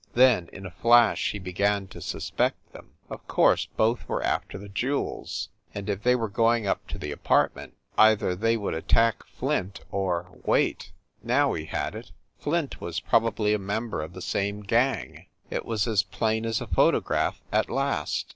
Then, in a flash he began to suspect them. Of course both were after the jew els and, if they, were going up to the apartment, either they would attack Flint or wait! Now he had it! Flint was probably a member of the same gang! It was as plain as a photograph, at last.